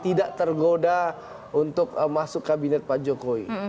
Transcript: tidak tergoda untuk masuk kabinet pak jokowi